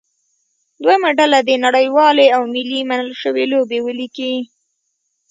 دویمه ډله دې نړیوالې او ملي منل شوې لوبې ولیکي.